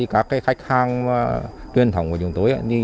các khách hàng tuyên thống của chúng tôi